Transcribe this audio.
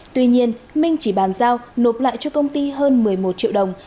tuy nhiên minh chỉ bàn giao nộp lại cho công ty hơn một mươi một triệu đồng